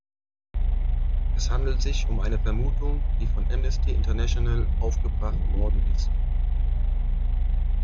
Es handelt sich um eine Vermutung, die von Amnesty International aufgebracht worden ist.